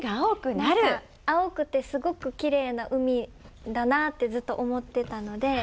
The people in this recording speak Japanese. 青くてすごくきれいな海だなってずっと思ってたので。